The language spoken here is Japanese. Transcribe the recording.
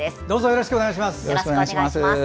よろしくお願いします。